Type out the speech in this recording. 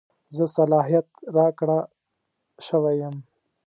زه صلاحیت راکړه شوی یم.